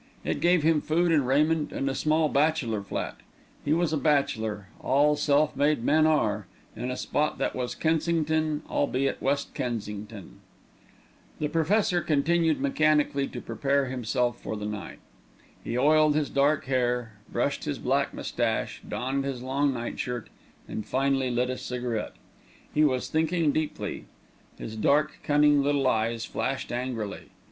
It gave him food and raiment and a small bachelor flat he was a bachelor, all self made men are in a spot that was Kensington, albeit West Kensington. The Professor continued mechanically to prepare himself for the night. He oiled his dark hair, brushed his black moustache, donned his long nightshirt, and finally lit a cigarette. He was thinking deeply. His dark, cunning little eyes flashed angrily.